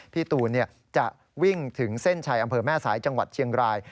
พี่ตูนจะวิ่งถึงเส้นชัยอำเภอแม่สายจังหวัดเชียงราย